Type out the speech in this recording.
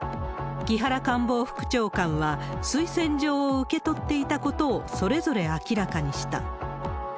木原官房副長官は、推薦状を受け取っていたことを、それぞれ明らかにした。